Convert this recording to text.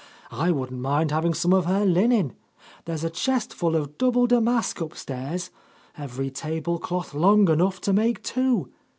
"I wouldn't mind having some of her linen. There's a chest full of double damask upstairs, every tablecloth long enough to make two.